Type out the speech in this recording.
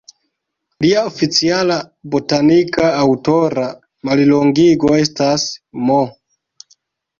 Lia oficiala botanika aŭtora mallongigo estas "M.".